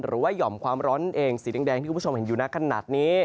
หรือยอมความร้อนเองสีแดงที่ก็มีอยู่ในขณะสิ